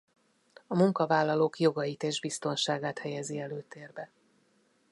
A munkavállalók jogait és biztonságát helyezi előtérbe.